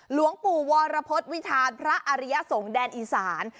หลวงปู่วรพฤษวิทานพระอริยสงฆ์แดนอีสาน